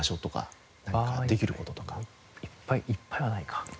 いっぱいいっぱいはないか。